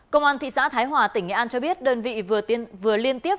công an thị xã thái hòa tỉnh nghệ an cho biết đơn vị vừa liên tiếp